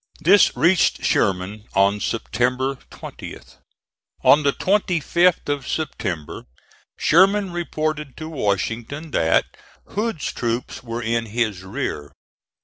This reached Sherman on September 20th. On the 25th of September Sherman reported to Washington that Hood's troops were in his rear.